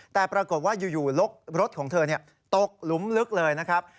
แต่ปรากฏว่าอยู่รถของเธอตกหลุมลึกเลยนะครับ